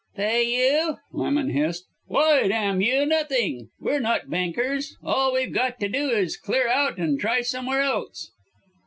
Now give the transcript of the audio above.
"Pay you!" Lemon hissed. "Why, damn you nothing. We're not bankers. All we've got to do is clear out and try somewhere else."